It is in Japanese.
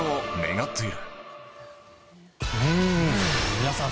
皆さん